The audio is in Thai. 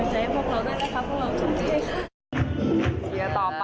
ต้องเป็นกำลังใจให้พวกเราได้นะครับพวกเรา